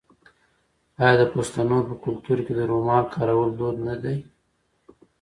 آیا د پښتنو په کلتور کې د رومال کارول دود نه دی؟